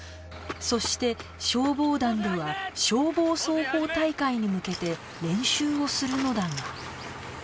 そして消防団では消防操法大会に向けて練習をするのだが